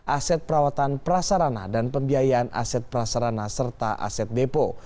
aset perawatan prasarana dan pembiayaan aset prasarana serta aset depo